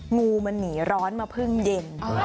งูมันหนีร้อนมาพึ่งเย็น